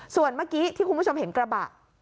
ส่วนเมื่อกี้ที่คุณผู้ชมเห็นกระบะ